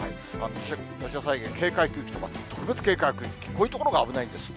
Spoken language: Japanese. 土砂災害警戒区域とか、特別警戒区域、こういう所が危ないんです。